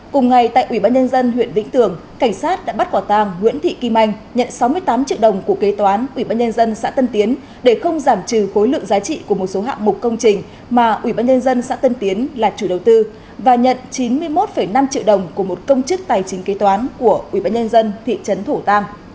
cùng ngày tại ubnd huyện vĩnh tường cảnh sát đã bắt quả tang nguyễn thị kim anh nhận sáu mươi tám triệu đồng của kế toán ubnd xã tân tiến để không giảm trừ khối lượng giá trị của một số hạng mục công trình mà ubnd xã tân tiến là chủ đầu tư và nhận chín mươi một năm triệu đồng của một công chức tài chính kế toán của ubnd thị trấn thổ tăng